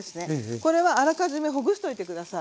これはあらかじめほぐしておいて下さい。